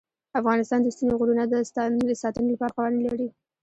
افغانستان د ستوني غرونه د ساتنې لپاره قوانین لري.